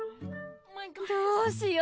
どうしよう？